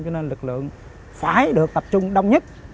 cho nên lực lượng phải được tập trung đông nhất